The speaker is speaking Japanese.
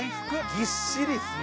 ぎっしりっすね。